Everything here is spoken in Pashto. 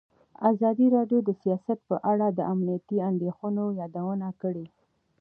ازادي راډیو د سیاست په اړه د امنیتي اندېښنو یادونه کړې.